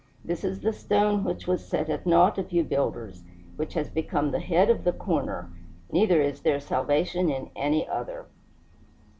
This is the stone which was set at naught of you builders, which has become the head of the corner; neither is there salvation in any other."